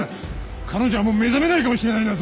彼女はもう目覚めないかもしれないんだぞ！